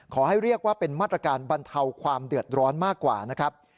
ขอให้เรียกว่าเป็นมาตรการบรรเทาความเดือดร้อนมากกว่านะครับ